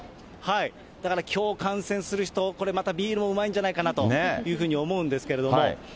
だからきょう観戦する人、これまたビールもうまいんじゃないかなというふうに思うんですけれども。